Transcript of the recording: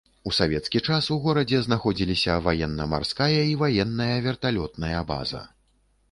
У савецкі час у горадзе знаходзіліся ваенна-марская і ваенная верталётная база.